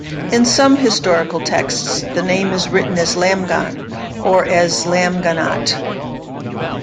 In some historical texts the name is written as "Lamghan" or as "Lamghanat".